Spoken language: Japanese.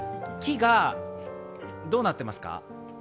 「き」がどうなってますか？